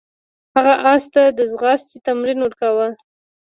هغه اس ته د ځغاستې تمرین ورکاوه.